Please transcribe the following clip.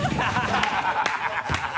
ハハハ